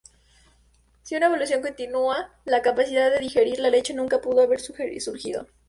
Sin una evolución continua, la capacidad de digerir la leche nunca pudo haber surgido.